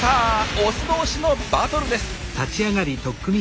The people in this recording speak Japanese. オス同士のバトルです。